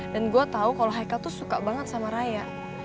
dan gue tau kalo haikel tuh suka banget sama raya